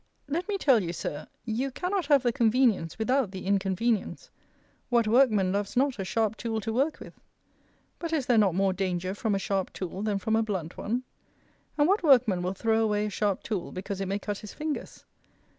Let me tell you, Sir, you cannot have the convenience without the inconvenience. What workman loves not a sharp tool to work with? But is there not more danger from a sharp tool than from a blunt one? And what workman will throw away a sharp tool, because it may cut his fingers?